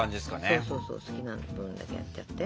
そうそうそう好きな分だけやっちゃって。